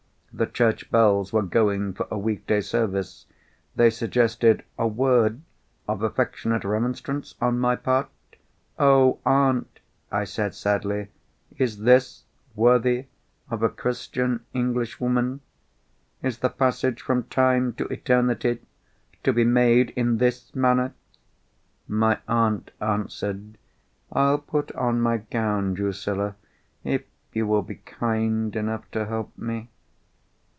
The church bells were going for a week day service; they suggested a word of affectionate remonstrance on my part. "Oh, aunt!" I said sadly. "Is this worthy of a Christian Englishwoman? Is the passage from time to eternity to be made in this manner?" My aunt answered, "I'll put on my gown, Drusilla, if you will be kind enough to help me."